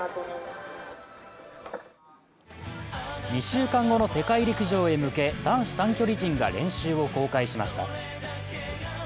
２週間後の世界陸上へ向け、男子短距離陣が練習を公開しました。